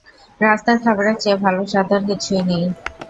রাস্তার খাবারের চেয়ে ভালো স্বাদ আর কিছুই নেই।